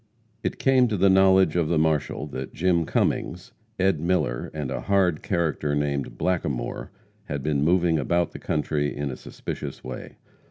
It came to the knowledge of the marshal that Jim Cummings, Ed. Miller, and a hard character named Blackamore, had been moving about the country in a suspicious way.